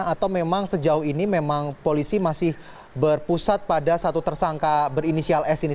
atau memang sejauh ini memang polisi masih berpusat pada satu tersangka berinisial s ini